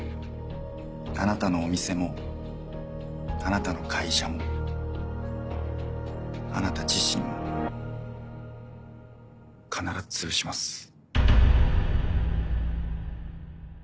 あなたのお店もあなたの会社もあなた自身も必ずつぶします。